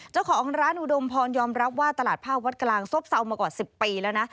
เจ้าของร้านอุดมพรยอมรับว่าตลาดผ้าวัดกลางซบเศร้ามากว่า๑๐ปีแล้วนะ